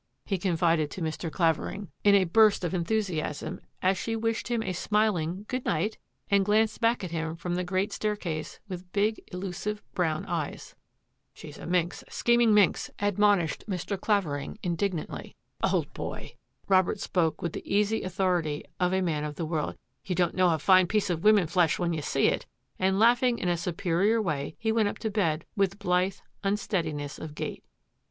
" he confided to Mr. Clavering PORTSTEAiyS WILL 187 in a burst of enthusiasm as she wished him a smil ing " good night," and glanced back at him from the great staircase with big, elusive brown eyes. ^^ She is a minx, a scheming minx !" admonished Mr. Clavering indignantly. " Old boy," Robert spoke with the easy authority of a man of the world, " you don't know a fine piece of woman flesh when you see it," and laugh ing in a superior way, he went up to bed with blithe unsteadiness of gait.